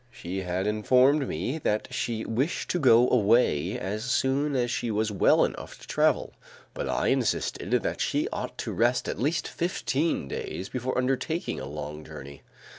She had informed me that she wished to go away as soon as she was well enough to travel. But I insisted that she ought to rest at least fifteen days before undertaking a long journey.